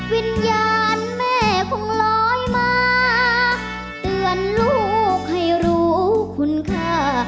วิญญาณแม่คงลอยมาเตือนลูกให้รู้คุณค่า